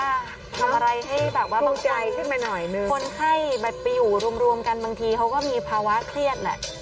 ทำอะไรให้บางคนไข้ปิวรวมกันบางทีเขาก็มีภาวะเครียดแหละ